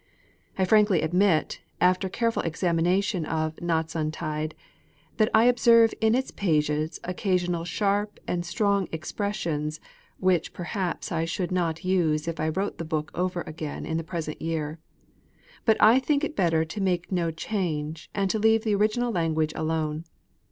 I frankly admit, after careful examination of " Knots Untied," that I observe in _its_pages occasional sharp and strong expressions which perhaps I should not use if I wrote the book over again in the present year. But I think it better to make no change, and to leave the original language alone.